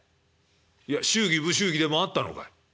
「いや祝儀不祝儀でもあったのかい？」。